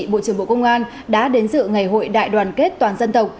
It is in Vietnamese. bộ trưởng bộ công an đã đến dự ngày hội đại đoàn kết toàn dân tộc